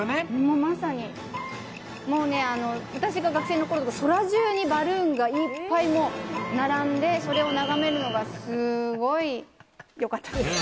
まさに、もうね、私が学生のころとか、空じゅうにバルーンがいっぱい並んで、それを眺めるのがすごいよかったです。